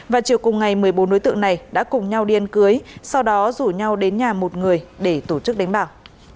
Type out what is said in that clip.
và chiều cùng ngày một mươi bốn đối tượng này đã cùng nhau điên cưới sau đó rủ nhau đến nhà một người để tổ chức đánh bạc